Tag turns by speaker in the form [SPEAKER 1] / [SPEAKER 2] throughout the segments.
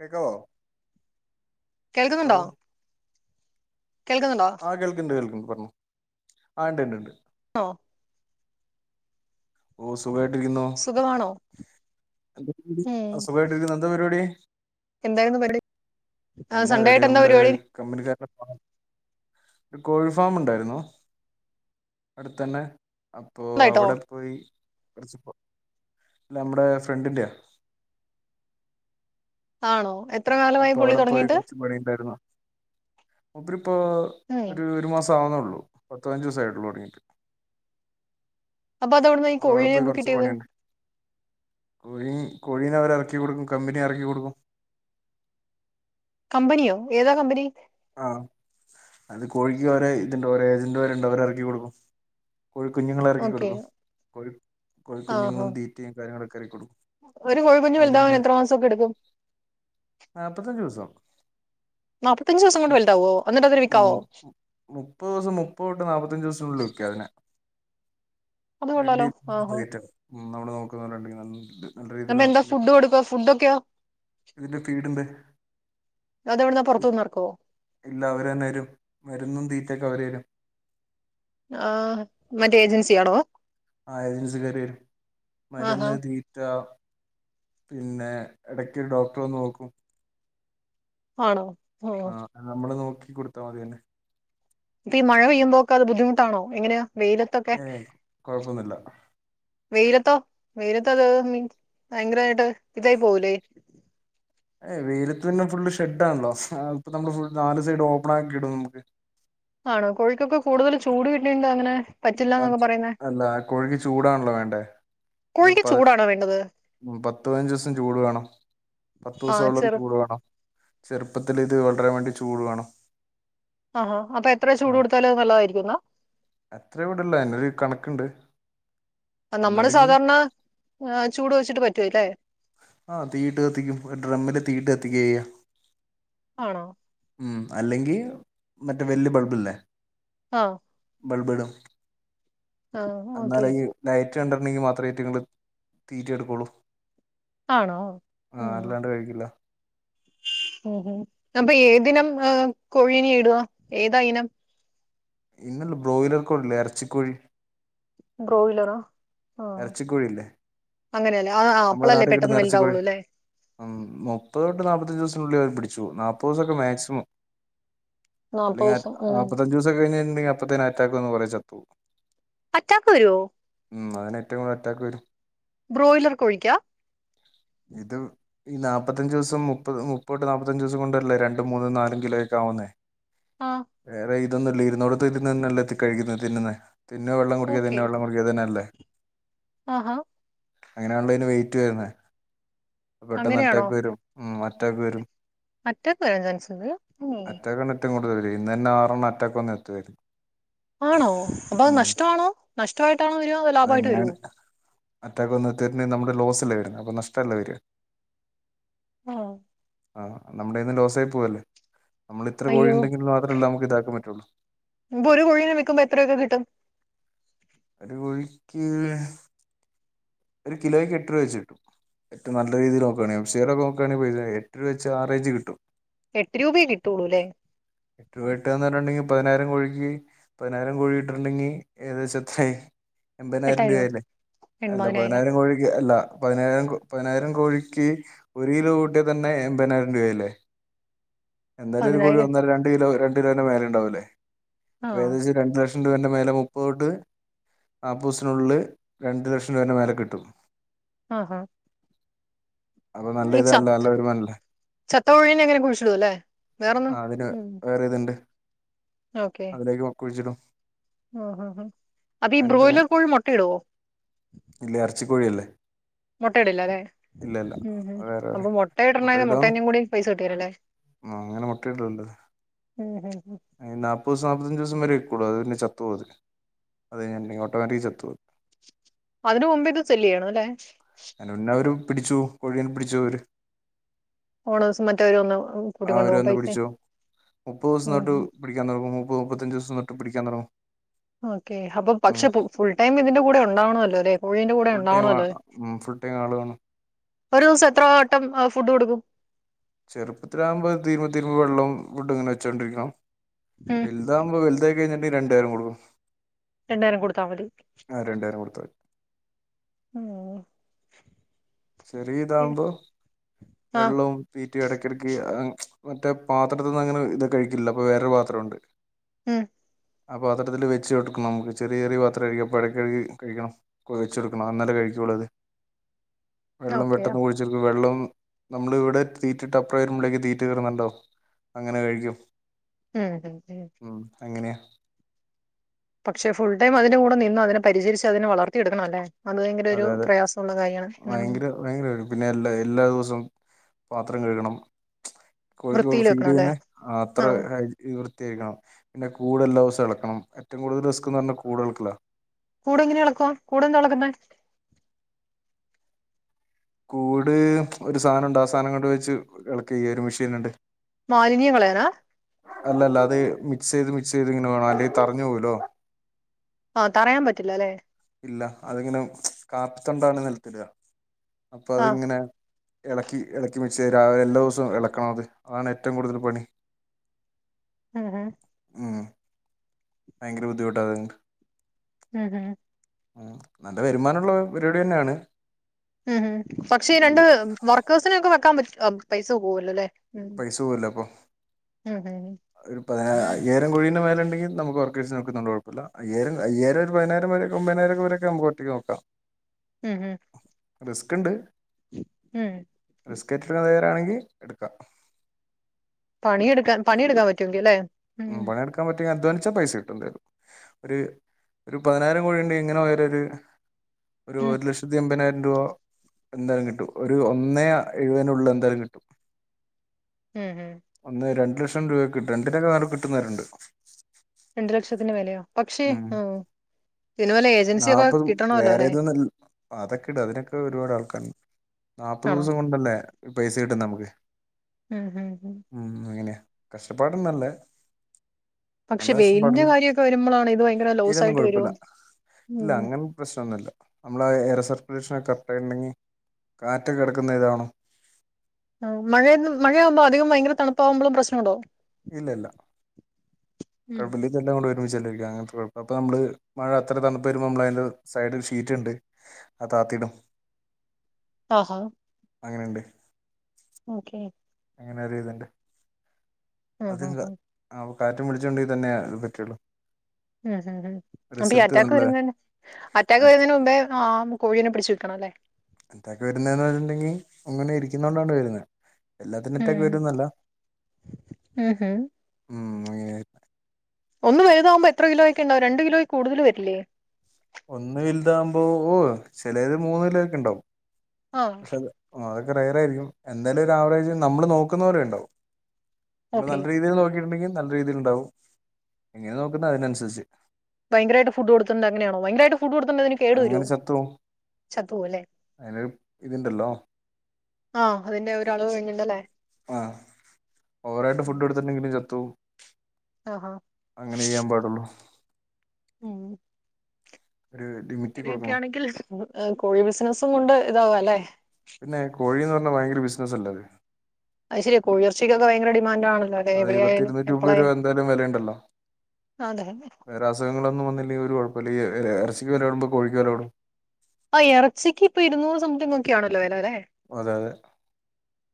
[SPEAKER 1] കേക്കാവോ
[SPEAKER 2] കേൾക്കുന്നുണ്ടോ കേൾക്കുന്നുണ്ടോ
[SPEAKER 1] ആഹ് കേൾക്കണ്ട് കേൾക്കുന്നുണ്ട് പറഞ്ഞോ ആ ഉണ്ട്ണ്ട് ഉണ്ട്
[SPEAKER 2] [inaudible]
[SPEAKER 1] ഓ സുഖട്ടിരിക്കുന്നോാ
[SPEAKER 2] സുഖമാണോ ഉം
[SPEAKER 1] സുഖട്ടിരിക്കുന്നു എന്താ പരിപാടി [inaudible]
[SPEAKER 2] എന്തായിരുന്നു പരിപാടി ആ
[SPEAKER 1] എന്നാ
[SPEAKER 2] സൺഡേ
[SPEAKER 1] പരിപാടിയുണ്ട്
[SPEAKER 2] ആയിട്ട് എന്താ
[SPEAKER 1] നമ്മുടെ ഒരു
[SPEAKER 2] പരിപാടി
[SPEAKER 1] കമ്പനിക്കാര ഒരു കോഴി ഫാാം ഉണ്ടായിരുന്നു അടുത്ത്തന്നെ അപ്പോ
[SPEAKER 2] ട്ടോ
[SPEAKER 1] അവിടെ പോയി അല്ല നമ്മടെ ഫ്രണ്ടിന്റെയാ
[SPEAKER 2] ആണോ എ
[SPEAKER 1] അപ്പൊ അവിടെ പോയി കുറച്ച് പണിയുണ്ടാരുന്നു മൂപ്പര് ഇപ്പോ
[SPEAKER 2] ഉം
[SPEAKER 1] ഒരു ഒരു മാസം ആവുന്നുള്ളു പത്ത്പതിനഞ്ച് ദിവസായിട്ടേയുളളൂ തുടങ്ങിയിട്ട്
[SPEAKER 2] അപ്പൊ അതവിടന്ന് ഈ
[SPEAKER 1] അപ്പൊ
[SPEAKER 2] കോഴി
[SPEAKER 1] അവിടെ പോയി
[SPEAKER 2] നെയൊകെ
[SPEAKER 1] കുറച്ച്
[SPEAKER 2] കിട്ടിയത്
[SPEAKER 1] പണിയുണ്ട് കോഴി കോഴീനെ അവർ ഇറക്കി കൊടുക്കും കമ്പനി ഇറക്കി കൊടുക്കും
[SPEAKER 2] കമ്പനിയോ ഏതാ കമ്പനി
[SPEAKER 1] ആഹ അത് കോഴിക്ക് വരെ ഇതുണ്ട് ഏജന്റ് വരുണ്ട അവര് ഇറക്കി കൊടുക്കും കോഴിക്കുഞ്ഞുങ്ങളൾ ഇറക്കി
[SPEAKER 2] ഓക്കെ
[SPEAKER 1] കൊടുക്കും കോഴി
[SPEAKER 2] ആഹാ
[SPEAKER 1] കോഴിക്കുഞ്ഞുങ്ങളും തീറ്റയും കാര്യങ്ങളൊക്കെ ഇറക്കി കൊടുക്കും
[SPEAKER 2] ഒരു കോഴിക്കുഞ്ഞ് വലുതാവാൻ
[SPEAKER 1] മരുന്ന്
[SPEAKER 2] എത്ര മാസമൊക്കെ എടുക്കും
[SPEAKER 1] നാല്പ്പത്തഞ്ച് ദിവസമാണ്
[SPEAKER 2] നാപ്പത്തഞ്ച് ദിവസം കൊണ്ട് വലുതാവോ എന്നിട്ട് അതിന് വിൽക്കാവോ
[SPEAKER 1] മുപ് മുപ്പോസം മുപ്പോട്ട് നാല്പത്തഞ്ചു സം [unintelligible]
[SPEAKER 2] അത്
[SPEAKER 1] രണ്ട്
[SPEAKER 2] കൊള്ളാലോ ആഹാ
[SPEAKER 1] [unintelligible] [unintelligible]
[SPEAKER 2] നമ്മ എന്താ
[SPEAKER 1] നോക്കിണ്ട്
[SPEAKER 2] ഫുഡ് കൊടുക്ക ഫുഡൊക്ക്യോ
[SPEAKER 1] ഇതിന്റെ ഫീഡിന്റെ
[SPEAKER 2] അതെവിടന്നാ പൊർത്തുന്ന
[SPEAKER 1] ഇല്ല അവരെന്നരും മരുന്നും തീ റ്റക്കവരെരും
[SPEAKER 2] ആ മറ്റേജൻസിയാണോ
[SPEAKER 1] അ ഏജൻസിക്കാര് തരും
[SPEAKER 2] ആഹാ
[SPEAKER 1] മരുന്ന് തീറ്റ പിന്നേ എടക് ഒരു ഡോക്ടറ് വന്ന് നോക്കും
[SPEAKER 2] ആണോ ഓ
[SPEAKER 1] ആ നമ്മള് നോക് കൊടുത്താ മതിയന്നെ
[SPEAKER 2] ഇപ്പ ഈ മഴ പെയ്യുമ്പോഴൊക്കെ അത് ബുദ്ധിമുട്ടാണോ എങ്ങനാ
[SPEAKER 1] ഏയ്യ് കൊഴപ്പൊന്നുമില്ല
[SPEAKER 2] വെയിലത്തോ വെയിലത്തത് മീൻസ് ഭയങ്കരായിട്ട് ഇതായി പോവൂലെ
[SPEAKER 1] ഏയ് വെയിലത്ത് പിന്നെ ഫുള്ള് ഷെഡ് ആണല്ലോ അപ്പൊ നമ്മള് ഫു നാല് സൈഡ് ഓപ്പൺ ആക്കി ഇടും നമുക്ക്
[SPEAKER 2] ആണോ കോഴിക്കൊക്കെ കൂടുതൽ ചൂട് കിട്ടിണ്ട് അങ്ങനെ
[SPEAKER 1] ആ
[SPEAKER 2] പറ്റില്ലാന്നൊക്കെ പറയുന്നേ
[SPEAKER 1] അല്ല കോഴിക്ക് ചൂടാണല്ലോ വേണ്ടേ ഒരു
[SPEAKER 2] കോഴിക്ക്
[SPEAKER 1] പ
[SPEAKER 2] ചൂടാണോ വേണ്ടത്
[SPEAKER 1] പത്ത് പതിനഞ്ച് ദിവസം ചൂട് വേണം പത്ത്
[SPEAKER 2] ആഹ്
[SPEAKER 1] ദിവസോളം
[SPEAKER 2] ചെറു
[SPEAKER 1] ചൂട് വേണം ചെറുപ്പത്തിൽ ഇത് തുടരാൻ വേണ്ടി ചൂട് വേണം
[SPEAKER 2] ആഹാ അപ്പൊ എത്ര ചൂട് കൊടുത്താലും നല്ലതായിരിക്കൂന്നാ
[SPEAKER 1] എത്ര ചൂടല്ല അയിനൊരു കണക്കുണ്ട്
[SPEAKER 2] നമ്മള്
[SPEAKER 1] ഒന്നല്ലെങ്കിൽ
[SPEAKER 2] സാധാരണ ആ ചൂട് വെച്ചിട്ട് പറ്റുല്ലേ
[SPEAKER 1] ആഹ് തീയിട്ട് കത്തിക്കും ഡ്രമ്മില് തീയിട്ട് കത്തിക്ക് ചെയ്യ
[SPEAKER 2] ആണോ
[SPEAKER 1] അല്ലെങ്കി മറ്റേ വല്യ ബൾബില്ലേ
[SPEAKER 2] ആഹ്
[SPEAKER 1] ബൾബിടും
[SPEAKER 2] ആഹ് ഓക്കെ
[SPEAKER 1] അന്നാലെ ഈ ട റ്റ കണ്ടിട്ടെണ്ടെങ്കി മാത്രേ ഈറ്റങ്ങള് തീറ്റ എടുക്കുള്ളൂ
[SPEAKER 2] ആണോ
[SPEAKER 1] ആ
[SPEAKER 2] ഉം
[SPEAKER 1] അല്ലാണ്ട് കഴിക്കില്ല
[SPEAKER 2] ഊ ഹും അപ്പൊ ഏതിനം കോഴിനെ ഇടുക ഏതായിനം
[SPEAKER 1] ഇന്നല്ല ബ്രോയിലർ കോഴില്ലേ ഇറച്ചിക്കോഴി
[SPEAKER 2] ബ്രോയിലറോ ആഹ്
[SPEAKER 1] ഇറച്ചിക്കോഴില്ലേ
[SPEAKER 2] അങ്ങനെയല്ലേ ആഹ് ആഹ്
[SPEAKER 1] നമ്മുടെ
[SPEAKER 2] അപ്പളല്ലേ
[SPEAKER 1] നാട്ടി
[SPEAKER 2] പെട്ടെന്ന്
[SPEAKER 1] കിട്ടുന്ന ഇറച്ചിക്കോഴി
[SPEAKER 2] വലുതാവുള്ളൂ ല്ലേ
[SPEAKER 1] ഉം മുപ്പത് തൊട്ട് നാപ്പത്തഞ്ച് ദിവസം ഉള്ളിൽ അത് പിടിച്ചുപോവും നാപ്പോസൊക്കെ മാക്സിമം.
[SPEAKER 2] നാപ്പത്
[SPEAKER 1] അല്ലെങ്കി അര്
[SPEAKER 2] ദിവസം ഉം
[SPEAKER 1] നാപ്പത്തഞ്ച്സൊക്കെ കഴിഞ്ഞ്ഞ്ഞഴിഞ്ഞ് അല്ലെങ്കി അപ്പത്തന്നെ അറ്റാക്ക് വന്ന് കൊറേ ചത്ത് പോവും.
[SPEAKER 2] അറ്റാക്ക് വരോ?
[SPEAKER 1] ഉം [unintelligible] ഏറ്റവും കുടുതൽ അറ്റാക്ക് വരും.
[SPEAKER 2] ബ്രോയ്ലർ കോഴിക്കാ
[SPEAKER 1] ഇത് ഈ നാപ്പത്തഞ്ച് ദിവസം മുപ്പത് മുപ്പത് തൊട്ട് നാപ്പത്തഞ്ച് ദിവസം കൊണ്ടല്ലേ രണ്ടും മൂന്നും നാലും കിലോ ഒക്കെ ആവുന്നേ
[SPEAKER 2] ആഹ്
[SPEAKER 1] വേറെ ഈ ഇതൊന്നല്ല ഇരുന്നോടത്ത് ഇര്ന്നെന്നെ ല്ലെ തി കഴിക്കുന്നെ തിന്നുന്നെ തിന്ന വെള്ളം കുടിക്ക
[SPEAKER 2] ഓക്കെ
[SPEAKER 1] തിന്ന വെള്ളം കുടിക്ക ഇതന്നെല്ലേ
[SPEAKER 2] ആഹാ
[SPEAKER 1] അങ്ങനെയാണല്ലോ ഇതിന് വെയിറ്റ് വരുന്നേ പെട്ടെന്ന്
[SPEAKER 2] അങ്ങനെയാണോ
[SPEAKER 1] അറ്റാക്ക് വരും ഉം അ റ്റാക്ക് വരും
[SPEAKER 2] അറ്റാക്ക് വര ചാൻസ്ണ്ട് ഉം
[SPEAKER 1] അറ്റാക്കാണ് ഏറ്റവും ഇന്ന് തന്നെ ആറണം അറ്റാക്ക് വന്ന് എത്തുവാ
[SPEAKER 2] ആണോ അപ്പൊ അത് നഷ്ടണോ നഷ്ടയിട്ടാണോ വരാ അതൊ ലാഭയിട്ട് വരോ
[SPEAKER 1] അതെങ്ങനെയാണ് അറ്റാക്ക് വന്ന്ത്തേര്ന് നമു ലോസ്ല്ലെ വരുന്നെ അപ്പൊ നഷ്ടല്ലെ വരാ
[SPEAKER 2] ആ
[SPEAKER 1] ആ നമ്മുടെന്ന് ലോസായി പോവല്ലേ നമ്മളിത്ര കോഴി ഉണ്ടെങ്കിലു മാത്രല്ലെ നമ ഇതാക്കാൻ പറ്റോള്ളൂ
[SPEAKER 2] ക്കുമ്പോര് കൊഴിനെ വിക്കുമ്പ എത്രയൊക്കെ കിട്ടും
[SPEAKER 1] ഒരു കോഴിക്ക്‌ ഒരു കിലോയ്ക്ക് എട്ട് രൂപ വെച്ച് കിട്ടും ഏറ്റവും നല്ല രീതിയില് നോക്കാനെങ്കില് [unintelligible] എട്ട് രൂപ വെച്ച് ആറേജ് കിട്ടും
[SPEAKER 2] എട്ട് രൂപയേ കിട്ടൊള്ളൂല്ലേ
[SPEAKER 1] എട്ട് രൂപ എട്ട്ന്ന് പറഞ്ഞിട്ടുണ്ടെങ്കിൽ പതിനായിരം കോഴിക്ക് പതിനായിരം കോഴിട്ട്ണ്ടെങ്കി ഏകദേശം എത്രയായി എൺമ്പതിനായിരം
[SPEAKER 2] എട്ടായിരോ
[SPEAKER 1] രൂപആയില്ലേ അല്ല
[SPEAKER 2] എൺപതിനായിരം
[SPEAKER 1] പതിനായിരം കോഴിക്ക് അല്ല പതിനായിരം പതിനായിരം കോഴിക്ക് ഒരു കിലോ കൂട്ടിയാ തന്നെ എൺമ്പതിനായിരം രൂപായില്ലേ എന്തായാലും ഒരു കോഴി
[SPEAKER 2] പതിനായിരം
[SPEAKER 1] ഒന്നര രണ്ട് കിലോ ട്ട് കിലോന്റെ മേലെ ണ്ടാവുല്ലേ
[SPEAKER 2] ആ
[SPEAKER 1] [unintelligible] രണ്ട് ലക്ഷം [unintelligible] മുപ്പതൊട്ട് നാപത് സ്ത്തിന്റെ ഉള്ളില് രണ്ട് ലക്ഷം [unintelligible] മേല കിട്ടും
[SPEAKER 2] ആ ഹാഹാ
[SPEAKER 1] അപ്പൊ നല്ല
[SPEAKER 2] ഈ
[SPEAKER 1] ഇതല്ല
[SPEAKER 2] ചത്ത്
[SPEAKER 1] നല്ല വരുമാനല്ലേ
[SPEAKER 2] ചത്ത കോയിനെ എങ്ങനെ കുഴിച്ചിടു അല്ലേ വേറൊന്നും
[SPEAKER 1] ആ അതിന്
[SPEAKER 2] ഉഠ
[SPEAKER 1] വേറെ ഇതുണ്ട് അതിലേക്ക് വ കുഴിച്ചിടും
[SPEAKER 2] ഹ ഹ ഹ അപ്പൊ ഈ
[SPEAKER 1] അതിന്റെ
[SPEAKER 2] ബ്രോയിലർ കോഴി മുട്ടയിടുവോ
[SPEAKER 1] ഇറച്ചികോഴിയല്ലേ
[SPEAKER 2] മുട്ടയിടില്ല അല്ലെ ഉം ഉം
[SPEAKER 1] വേറെ വേറെ
[SPEAKER 2] അപ്പൊ മുട്ട ഇടണന്
[SPEAKER 1] മുട്ടയിടാന്ന്
[SPEAKER 2] മുട്ടന്റെയും കൂടി പൈസ കിട്ടിനേയല്ലേ
[SPEAKER 1] ആ
[SPEAKER 2] ഉം ഉം
[SPEAKER 1] അ നാപ്പത് നാപ്പത്തഞ്ച് ദി വസം വരെ നിക്കുള്ളൂ അത് പിന്നെ ചത്ത്പോവത് അത് കഴിഞ്ഞിട്ടുണ്ടെൽ ഓട്ടോമാറ്റിക്ക് ചത്തു പോവും
[SPEAKER 2] അതിന് മുമ്പേ ഇത് സെല്ല് ചെയ്യണമല്ലേ
[SPEAKER 1] അതിന് മുന്നേ അവര് പിടിച്ചു കോഴീനെ പിടിച്ചു അവര്-
[SPEAKER 2] ഫോളോവേഴ്സ് മറ്റേവര് വന്ന്
[SPEAKER 1] ആ
[SPEAKER 2] കൂട്ടിക്കൊണ്ടു
[SPEAKER 1] അവര്
[SPEAKER 2] പോവും
[SPEAKER 1] വന്ന്
[SPEAKER 2] പൈസയും-
[SPEAKER 1] പിടിച്ചു മുപ്പത് ദിവസം തൊട്ട് പിടിക്കാൻ മുപ്പത് മുപ്പത്തഞ്ച് ദിവസം തൊട്ട് പിടിക്കാൻ തുടങ്ങും.
[SPEAKER 2] ഓക്കെ, അപ്പൊ
[SPEAKER 1] ഉം
[SPEAKER 2] പക്ഷെ ഫുൾ ടൈം ഇതിന്റെ കൂടെ ഉണ്ടാവണല്ലോ അല്ലെ, കോഴീന്റെ കൂടെ
[SPEAKER 1] ഫുൾ ടൈം
[SPEAKER 2] ഉണ്ടാവണല്ലോ
[SPEAKER 1] ഫുൾ ടൈം ആള് വേണം
[SPEAKER 2] ഒരു ദിവസം എത്ര വട്ടം ഫുഡ് കൊടുക്കും?
[SPEAKER 1] ചെറുപ്പത്തിലാവുമ്പോ തീരുമ്പോ തീരുമ്പോ വെള്ളവും, ഫുഡും ഇങ്ങനെ വെച്ചോണ്ടിരിക്കണം.
[SPEAKER 2] ഉം
[SPEAKER 1] വലുതാവുമ്പോ വലുതായി കഴിഞ്ഞിട്ട്. രണ്ടു നേരം കൊടുക്കും
[SPEAKER 2] രണ്ടായിരം കൊടുത്താ മതി.
[SPEAKER 1] ആ രണ്ടായിരം കൊടുത്താൽ മതി
[SPEAKER 2] ഓ
[SPEAKER 1] ചെറിയ ഇതാവുമ്പോ
[SPEAKER 2] ആ
[SPEAKER 1] വെള്ളവും തീറ്റയും എടക്കിടക്ക് ആ- മറ്റേ പാത്രത്തിന്ന് അങ്ങനെ ഇത് കഴിക്കില്ല, അപ്പൊ വേറൊരു പാത്രം ഒണ്ട്.
[SPEAKER 2] മ് -
[SPEAKER 1] ആ പാത്രത്തില് വെച്ച് കൊടുക്കണം, നമുക്ക് ചെറിയ ചെറിയ പാത്രം ആയിരിക്കും, അപ്പം ഇടയ്ക്കിടയ്ക്ക് കഴിക്കണം, വെച്ച് കൊടുക്കണം അന്നല്ലേ കഴിക്കുള്ളത്. വെള്ളം
[SPEAKER 2] ഓക്കെ ആ
[SPEAKER 1] പെട്ടെന്ന് കുടിച്ച് തീർക്കും, വെള്ളം നമ്മൾ ഇവിടെ തീറ്റിട്ട് അപ്പ്രേ വരുമ്പളേക്ക് തീറ്റ തീർന്നിണ്ടാവും, അങ്ങനെ കഴിക്കും-
[SPEAKER 2] മ് മ് [unintelligible]
[SPEAKER 1] ഉം അങ്ങനെയാ
[SPEAKER 2] പക്ഷെ ഫുൾ ടൈം അതിന്റെ കൂടെ നിന്ന് അതിനെ പരിചരിച്ച് അതിനെ വളർത്തിയെടുക്കണം അല്ലേ.? അത് ഭയങ്കര ഒരു
[SPEAKER 1] അതെ, അതെ
[SPEAKER 2] പ്രയാസമുള്ള കാര്യമാണ് ഉം.
[SPEAKER 1] ഭയങ്കര ഭയങ്കര ഒരു പിന്നെ എല്ലാ എല്ലാ തേസോം പാത്രം കഴുകണം കോഴിക്കു
[SPEAKER 2] വൃത്തിയിൽ
[SPEAKER 1] ഫീഡ്
[SPEAKER 2] വെക്കണം അല്ലേ
[SPEAKER 1] ചെയ്യുന്ന അത്ര
[SPEAKER 2] ആ
[SPEAKER 1] വൃത്തിയായിരിക്കണം പിന്നെ കൂട് എല്ലാ ദിസോം എലക്കണം, ഏറ്റവും കൂടുതൽ റിസ്ക് എന്ന് പറഞ്ഞാൽ കൂട് എളക്കലാ
[SPEAKER 2] കൂട് എങ്ങനെ എളക്വ? കൂടെ എന്താ എ ളക്കുന്നേ
[SPEAKER 1] കൂട് ഒരു സാധനം ഉണ്ട്, ആ സാധനം കൊണ്ട് വെച്ച് ഇളക്ക് ചെയ്യാ, ഒരു മെഷീൻ ഉണ്ട്.
[SPEAKER 2] മാലിന്യം കളയാനാ
[SPEAKER 1] അല്ലല്ല, അത് മിക്സ് ചെയ്ത് മിക്സ് ചെയ്ത് ഇങ്ങനെ വേണം. അല്ലെ തറഞ്ഞു പോകുവല്ലോ
[SPEAKER 2] ആ, തറയാൻ പറ്റില്ല അല്ലേ.
[SPEAKER 1] അതങ്ങനെ കാപ്പിത്തണ്ടാണ് നിലത്തിടുക. അപ്പൊ
[SPEAKER 2] ആ
[SPEAKER 1] അതിങ്ങനെ- ഇളക്കി വെച്ച് രാവിലെ എല്ലാ ദിവസവും ഇളക്കണം, അതാണ് ഏറ്റവും കൂടുതൽ പണി.
[SPEAKER 2] ആ, ആ
[SPEAKER 1] ആ ഭയങ്കര ബുദ്ധിമുട്ടാ
[SPEAKER 2] ഉം, ഉം
[SPEAKER 1] ഉം, നല്ല വരുമാനം ഉള്ള പരിപാടി തന്നെയാണ്.
[SPEAKER 2] ഉം, ഉം, പക്ഷേ ഈ രണ്ട് വർക്കേഴ്സിനെൊക്കെ വെക്കാൻ പറ്റില്ലേ - അപ്പൊ, പൈസ പോവല്ലോ അല്ലേ?
[SPEAKER 1] പൈസ പോവല്ലോ അപ്പം
[SPEAKER 2] ഉം, ഉം
[SPEAKER 1] ഒരു അയ്യായിരം കോഴീനെ മേല ഉണ്ടെങ്കിൽ നമുക്ക് വർക്കേഴ്സിനെ വെക്കേന്നോണ്ട് കുഴപ്പമില്ല, അയ്യായിരം, ഒരു പതിനായിരം ഒമ്പതിനായിരം വരെയൊക്കെ നമുക്ക് ഒറ്റക്ക് നോക്കാം.
[SPEAKER 2] ഉം ഹും
[SPEAKER 1] റിസ്ക് ഇണ്ട്- റിസ്ക്കേറ്റെടുക്കാൻ തയ്യാർ ആണെങ്കിൽ- എടുക്കാം
[SPEAKER 2] പണിയെടുക്കാൻ പറ്റുമെങ്കിൽ അല്ലെ?
[SPEAKER 1] ഉം പണിയെടുക്കാൻ പറ്റുവെങ്കിൽ അധ്വാനി- പൈസ കിട്ടു എന്തായാലും, ഒരു പതിനായിരം കോഴിയിണ്ടേ എങ്ങനെ പോയാലും ഒരു - ഒരു
[SPEAKER 2] ഉം
[SPEAKER 1] ഒരു ലക്ഷത്തി അൻപതിനായിരം- രൂപ [inaudible] എന്തായാലും കിട്ടും ഒരു ഒന്നേ എഴുപതിനുള്ളിൽ എന്തായാലും കിട്ടും.
[SPEAKER 2] ഉം ഉം
[SPEAKER 1] ഒന്ന് രണ്ട്- ഒരു ലക്ഷം രൂപക്കെ കിട്ടും എന്തിനാണ് - കിട്ടുന്നവരുണ്ട്.
[SPEAKER 2] രണ്ട് ലക്ഷത്തിന്റെ മേലെയോ പക്ഷേ
[SPEAKER 1] ഹും
[SPEAKER 2] ഉം ഇതിന് വല്ല ഏജൻസി ഒക്കെ
[SPEAKER 1] നാല്പതും
[SPEAKER 2] കിട്ടണമല്ലോ
[SPEAKER 1] വേറെ
[SPEAKER 2] അല്ലേ
[SPEAKER 1] [unintelligible] അതൊക്കെ ഇട് അതിനൊക്കെ ഒരുപാട് ആൾക്കാരുണ്ട് നാല്പ്പത്
[SPEAKER 2] ആണോ
[SPEAKER 1] ദിവസം കൊണ്ടല്ലേ- പൈസ കിട്ടും നമുക്ക്.
[SPEAKER 2] ഹും ഹും ഹും
[SPEAKER 1] കഷ്ടപ്പാട് ഉണ്ട് അല്ലേ നല്ല
[SPEAKER 2] പക്ഷെ
[SPEAKER 1] കഷ്ടപാട്
[SPEAKER 2] വെയിലിന്റെ
[SPEAKER 1] ഉണ്ട്.
[SPEAKER 2] കാര്യമൊക്കെ വരുമ്പോഴാണ് ഇത് ഭയങ്കര
[SPEAKER 1] ഏരിയ
[SPEAKER 2] ലോസ്
[SPEAKER 1] ഒന്നും
[SPEAKER 2] ആയിട്ട് വരുവോ
[SPEAKER 1] കൊഴപ്പില്ല ഇല്ല.
[SPEAKER 2] ഉം
[SPEAKER 1] അങ്ങനത്തെ പ്രശ്നംമൊന്നുമില്ല നമ്മളാ എയർ സർക്കുലേഷൻ ഒക്കെ- ഇണ്ടെങ്കി കാറ്റൊക്കെ കടക്കുന്ന ഇതാണോ?
[SPEAKER 2] ആ മഴയാവുമ്പോ, അധികം തണുപ്പാവുമ്പോൾ പ്രശ്നമുണ്ടോ?
[SPEAKER 1] ഇല്ലില്ല [inaudible]
[SPEAKER 2] ഉം
[SPEAKER 1] കുഴപ്പമില്ല ഇതെല്ലാംകൂടി - ചിലർക്ക് അങ്ങനത്തെ കുഴപ്പം ഉണ്ട്. സൈഡിൽ ഷീറ്റ്ഉണ്ട് അങ്ങനത്തെ കൊഴപ്പം അപ്പം മഴ അത്ര തണുപ്പ് വരുമ്പോ നമ്മൾ അതിന്റെ സൈഡിൽ ഷീറ്റിണ്ട് അത് താത്തിടും.
[SPEAKER 2] ആഹ് ആഹ
[SPEAKER 1] അങ്ങനെണ്ട്
[SPEAKER 2] ഓക്കെ
[SPEAKER 1] അങ്ങനെ ഒരിതിണ്ട്
[SPEAKER 2] ഉം ഉം
[SPEAKER 1] അതില്ല
[SPEAKER 2] ഉം
[SPEAKER 1] ആ കാറ്റും വെളിച്ചൊണ്ടെ തന്നെയാ അത് പറ്റുള്ളൂ
[SPEAKER 2] ഉം ഹും ഹും അപ്പൊ ഈ
[SPEAKER 1] റിസൾട്ട്
[SPEAKER 2] അറ്റാക്ക്
[SPEAKER 1] നല്ല
[SPEAKER 2] വരുന്ന അറ്റാക്ക് വരുന്നതിന് മുമ്പേ ആ കോഴിനെ പിടിച്ചു ക്കണോല്ലേ
[SPEAKER 1] അറ്റാക്ക് വരുന്നേന്ന് പറഞ്ണ്ടെങ്കി ഇങ്ങനെ ഇരിക്കുന്നോണ്ടണ്‌ വരുന്നേ എല്ലാത്തിനും
[SPEAKER 2] ഉം
[SPEAKER 1] അറ്റാക്ക് വരൂന്നല്ലാ
[SPEAKER 2] ഉം ഹും ഒന്ന് വലുതാവുമ്പോ എത്ര കിലോ ഒക്കെ ഉണ്ടാവും രണ്ട് കിലോയി കൂടുതൽ വരില്ലേ
[SPEAKER 1] ഒന്ന് വലുതാമ്പോ ഓ ചിലത് മൂന്ന് കിലോക്കെ ഉണ്ടാവും
[SPEAKER 2] ആഹ്
[SPEAKER 1] പക്ഷെ അത് വ റേർ ആയിരിക്കും എന്തായാലും ഒരു ആവറേജ് നമ്മള് നോക്കുന്ന പോലെ ഉണ്ടാവും നമ്മള്
[SPEAKER 2] ഓക്കെ
[SPEAKER 1] നല്ല രീതിയിൽ നോക്കിട്ടി ണ്ടെങ്കിൽ നല്ല രീതിൽ ഇണ്ടാവും ഇങ്ങനെ നോക്കുന്നെ അതിനനുസരിച്ച്
[SPEAKER 2] ഭയങ്കരായിട്ട് ഫുഡ് കൊടുത്ത് ണ്ട അങ്ങനെയാണോ ഭയങ്കരമായിട്ട് ഫുഡ് കൊടുത അതിന് കേടു
[SPEAKER 1] അങ്ങനെ
[SPEAKER 2] വരുവൊ
[SPEAKER 1] ചത്തുപോവും
[SPEAKER 2] ചത്തുപൊവല്ലെ
[SPEAKER 1] അതിനൊരു ഇതുണ്ടല്ലോ
[SPEAKER 2] ആ അതിന്റെ ഒരളവ് കഴിഞ്ഞണ്ടല്ലേ
[SPEAKER 1] ആ ഓരായിട്ട് ഫുഡ് എടുത്തിട്ടുെങ്കിലും ച ത്തോവും
[SPEAKER 2] ആഹാ
[SPEAKER 1] അങ്ങനെ ചെയ്യാൻ പാടുള്ളൂ
[SPEAKER 2] ഉം
[SPEAKER 1] ഒരു ലിമിറ്റിൽ കൊടുക്കണം
[SPEAKER 2] അങ്ങനെയൊക്കെണെങ്കിൽ കോ കോഴി ബിസിനസ്സും കൊണ്ട് ഇതാവു അല്ലേ
[SPEAKER 1] പിന്നെ കോഴിന്ന് പറ ഭയങ്കര ബിസിനസ്സല്ലേ അത്
[SPEAKER 2] അത് ശരിയ കോഴിയെർച്ചിക്കൊക്കെ ഭയങ്കര ഡിമാൻഡ് ആണല്ലോ അതെ
[SPEAKER 1] അത് ഈ
[SPEAKER 2] എവിടെ
[SPEAKER 1] പത്ത്
[SPEAKER 2] ആയാലും
[SPEAKER 1] ഇരുന്നൂറ്റി മുപ്പത് രൂപ
[SPEAKER 2] എപ്പഴായാലും
[SPEAKER 1] എന്തായാലും വിലയുണ്ടല്ലോ
[SPEAKER 2] അതെ
[SPEAKER 1] വേറെ അസുഖങ്ങളൊന്നും [unintelligible] ഇറച്ചിക്ക് വെല കൂടുമ്പോ കോഴിക്ക് വെലകൂടും
[SPEAKER 2] അപ്പ ഇറച്ചിക്ക് ഇപ്പൊ ഇരുന്നൂറ് സംതിങ് ഒക്കെണല്ലോ വില അല്ലേ
[SPEAKER 1] അതെ അതെ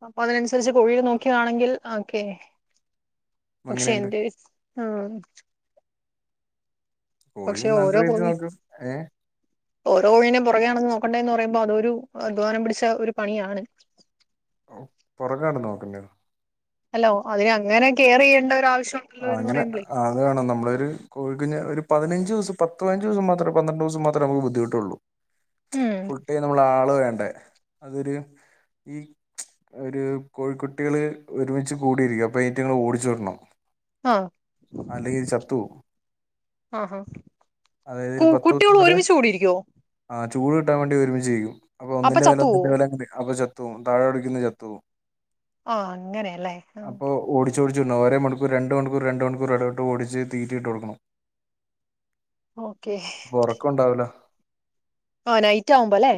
[SPEAKER 2] അപ്പ അതിനനുസരിച്ച് കോഴിയെ നോകിയ യാണെങ്കിൽ ഒക്കെ പക്ഷേ
[SPEAKER 1] അങ്ങനെയുണ്ട്
[SPEAKER 2] എന്ത് ആ
[SPEAKER 1] കോഴി
[SPEAKER 2] പക്ഷെ
[SPEAKER 1] നല്ല
[SPEAKER 2] ഓരോ
[SPEAKER 1] രീതിയിൽ
[SPEAKER 2] കോഴി
[SPEAKER 1] നോക്കും ഏ
[SPEAKER 2] ഓരോന്നിനെം പൊ. റകെ നടന്ന് നോ ക്കണ്ടേന്ന് പറയുമ്പോ അതൊരു അധ്വാനം പിടിച്ച ഒരു പണിയാണ്
[SPEAKER 1] ഔ പൊറകനടന്ന് നോക്ക്ന്ന്യാ
[SPEAKER 2] ഹലോ അതേ അങ്ങനെ കേറെയ്യെണ്ടാെരാവ
[SPEAKER 1] ആ അങ്ങനെ അത് വേണം നമ്മളൊരു കോഴിക്കുഞ്ഞ ഒരു പതിനഞ്ച് ദിവസം പത്തുപതിനഞ്ചു ദിവസം മാത്രം പന്ത്രണ്ട് ദിവസം മാത്രേ നമുക്ക് ബുദ്ധിമുട്ടുള്ളൂ
[SPEAKER 2] ഉം
[SPEAKER 1] ഫുൾടൈം നമ്മൾ ആള വേണ്ടേ അതൊരു ഈ ഒരു കോഴിക്കുട്ടികള് ഒരുമിച്ച് കൂടിയിരിക്കും അപ്പ ഇയ്റ്റിങ്ങളെ ഓടിച്ചുവിടണം
[SPEAKER 2] ആഹ് ആഹ
[SPEAKER 1] അതായത്
[SPEAKER 2] കു
[SPEAKER 1] ഒരു പത്ത്
[SPEAKER 2] കുട്ടികൾ
[SPEAKER 1] ദിവസം വരെ
[SPEAKER 2] ഒരുമിച്ച് കൂടിയിരിക്കുവോ
[SPEAKER 1] ആ ചൂട് കിട്ടാൻ വേണ്ടി ഒരുമിച്ചികും അപ്പൊ ഒന്നിന്റെ മേല
[SPEAKER 2] ചത്തു പോവോ
[SPEAKER 1] ഒന്നിന്റെ മേല അങ്ങനെ അപ്പ ചത്തോവു ചത്തോവും താഴെ ഒടിക്കുന്ന ചത്തോവും
[SPEAKER 2] ആഹ് അങ്ങനെയല്ലേ ആ
[SPEAKER 1] ചൊടിച്ചോടിവിടണം ഓരൊ മണി രണ്ട് മണിക്കൂർ രണ്ടി മണിക്കൂർ ഇടവുട്ട് ഓടിച്ച് തീറ്റിയിട്ട് കൊടുക്കണം ഉറക്കം ഉണ്ടാവില്ല
[SPEAKER 2] ആ നൈറ്റ് ആവുമ്പോ അല്ലേ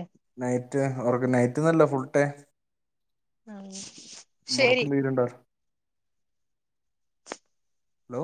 [SPEAKER 1] റക്ക നൈറ്റ്ന്നല്ലോ ഫുൾടൈം
[SPEAKER 2] മം ശെരി
[SPEAKER 1] ഹലോ